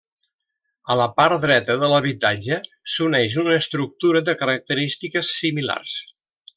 A la part dreta de l'habitatge s'uneix una estructura de característiques similars.